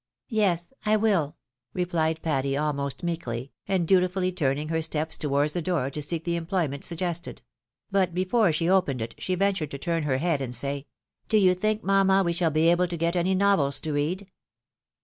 " Yes, I wUl," replied Patty almost meekly, and dutifully turning her steps towards the door to seek the employment suggested ; but before she opened it, she ventured to turn her head and say, " Do you think, mamma, we shall be able to get any novels to read